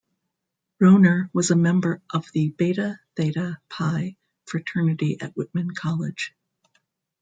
Rohner was a member of the Beta Theta Pi fraternity at Whitman College.